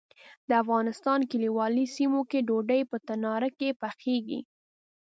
د افغانستان کلیوالي سیمو کې ډوډۍ په تناره کې پخیږي.